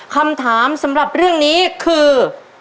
คำถามสำหรับเรื่องนี้คือ